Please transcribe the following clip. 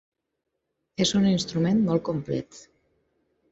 És un instrument molt complet.